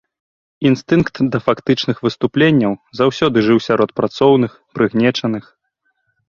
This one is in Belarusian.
Інстынкт да фактычных выступленняў заўсёды жыў сярод працоўных, прыгнечаных.